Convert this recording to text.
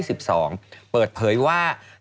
เปิดเผยว่าทางสำนักชลปฐานที่๑๒ได้ออกหนังสือแจ้งถึง